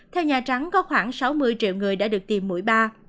theo nhà trắng có khoảng sáu mươi triệu người đã được tìm mũi ba